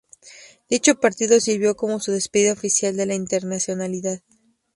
Dicho partido sirvió como su despedida oficial de la internacionalidad.